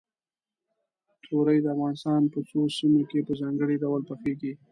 تورۍ د افغانستان په څو سیمو کې په ځانګړي ډول پخېږي.